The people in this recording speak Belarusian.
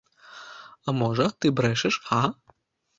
А можа, ты брэшаш, га?